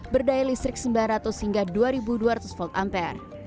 berdaya listrik sembilan ratus hingga dua dua ratus volt ampere